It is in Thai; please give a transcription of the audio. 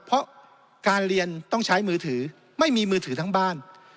เพราะการเรียนต้องใช้มือถือไม่มีมือถือทั้งบ้าน